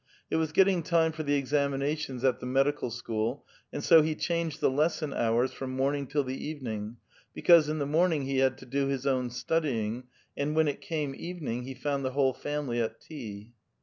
It was gettins: time for the examinations at the medical school, and so he chanijed the lesson hours from morning till the evening, because in the morning he had to do his own studying, and when it came evening, he found the whole family at tea.